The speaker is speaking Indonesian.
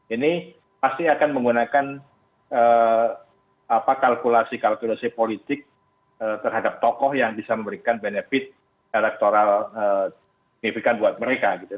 ini pasti akan menggunakan kalkulasi kalkulasi politik terhadap tokoh yang bisa memberikan benefit elektoral signifikan buat mereka gitu